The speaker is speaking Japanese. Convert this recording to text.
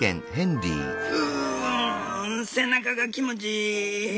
「うん背中が気持ちいい。